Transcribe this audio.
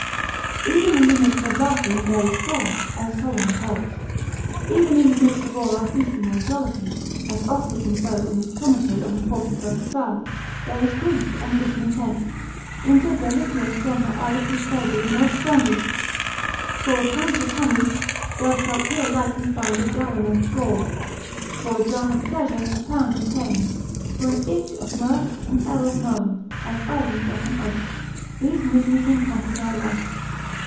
Even in the midst of laughing there is sorrow, (as Solomon holds): even in the midst of all our feasting and jollity, as Austin infers in his Com. on the 41st Psalm, there is grief and discontent. Inter delicias semper aliquid saevi nos strangulat, for a pint of honey thou shalt here likely find a gallon of gall, for a dram of pleasure a pound of pain, for an inch of mirth an ell of moan; as ivy doth an oak, these miseries encompass our life.